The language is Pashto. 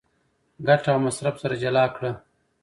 ګټه او مصرف سره جلا کړه.